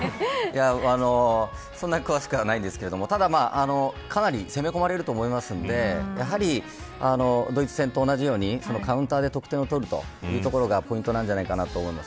そんなに詳しくないんですがかなり攻め込まれると思うのでドイツ戦と同じようにカウンターで得点を取るというところがポイントじゃないかと思います。